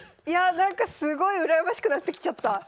いやなんかすごい羨ましくなってきちゃった。